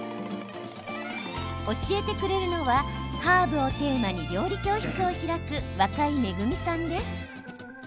教えてくれるのはハーブをテーマに料理教室を開く若井めぐみさんです。